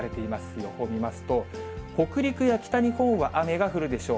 予報見ますと、北陸や北日本は雨が降るでしょう。